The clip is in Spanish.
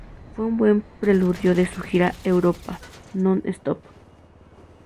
Fue un buen preludio de su gira “Europa, non stop!